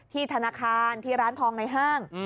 ธนาคารที่ร้านทองในห้าง